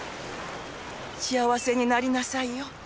幸せになりなさいよ